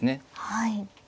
はい。